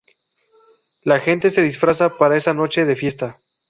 La gente se disfraza para esa noche de fiesta.